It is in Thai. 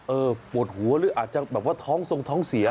เออปวดหัวหรืออาจจะท้องทรงท้องเสีย